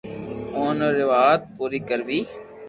اوون ري ھر وات پوري ڪروي